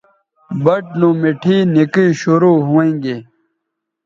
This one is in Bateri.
بَٹ نو مٹھے نکئ شروع ھویں گے